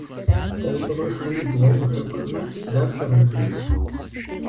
Тӏощӏрэ хым бгъу къыхэпхмэ, дапщэ къэнэнур?